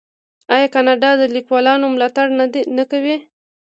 آیا کاناډا د لیکوالانو ملاتړ نه کوي؟